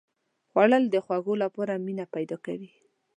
خوړل د خوږو لپاره مینه پیدا کوي